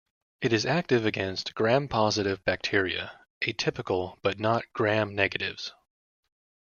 It is active against Gram-positive bacteria, atypical but not Gram negatives.